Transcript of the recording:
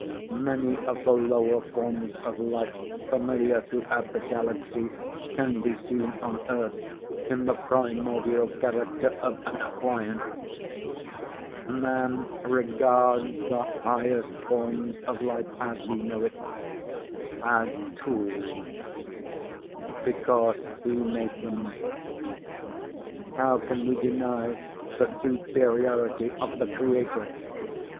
Many of the lower forms of life familiar throughout the galaxy can be seen on Earth in the primordial character of an appliance. Man regards the highest forms of life (as we know it) as tools because he made them. How can we deny the superiority of the Creator?